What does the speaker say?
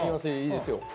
いいですよ。